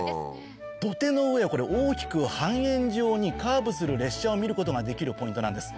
土手の上を大きく半円状にカーブする列車を見ることができるポイントなんです。